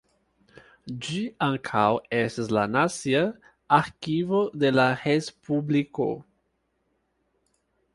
Ĝi ankaŭ estas la nacia arkivo de la respubliko.